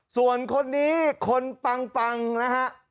ส่วนคนนี้คนปังนะฮะ